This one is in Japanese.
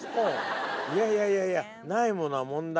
いやいやいやいや！